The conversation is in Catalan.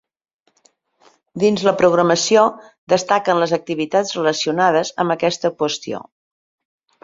Dins la programació destaquen les activitats relacionades amb aquesta qüestió.